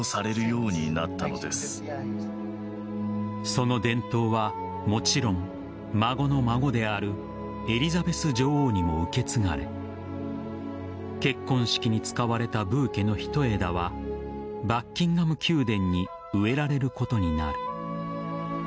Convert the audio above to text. その伝統はもちろん孫の孫であるエリザベス女王にも受け継がれ結婚式に使われたブーケのひと枝はバッキンガム宮殿に植えられることになる。